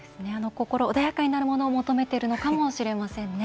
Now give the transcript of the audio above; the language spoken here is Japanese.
心穏やかになるものを求めているのかもしれませんね。